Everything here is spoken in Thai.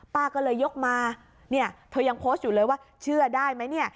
ป้าก็เลยยกมาเนี่ยเธอยังโพสต์อยู่เลยว่าเชื่อได้ไหมเนี่ย